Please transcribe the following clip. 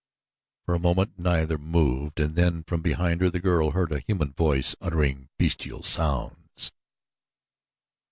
For a moment neither moved and then from behind her the girl heard a human voice uttering bestial sounds.